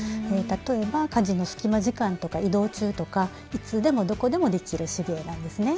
例えば家事の隙間時間とか移動中とかいつでもどこでもできる手芸なんですね。